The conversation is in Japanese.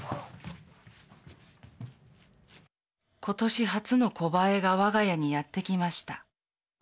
「今年初の小バエが我が家にやってきました」。